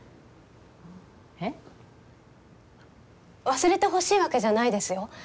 忘れてほしいわけじゃないですよ。